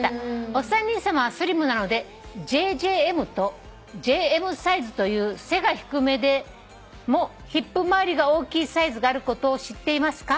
お三人さまはスリムなのでＪＪＭとＪＭサイズという背が低めでもヒップまわりが大きいサイズがあることを知っていますか？」